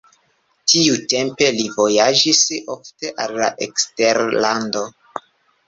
Tiutempe li vojaĝis ofte al eksterlando.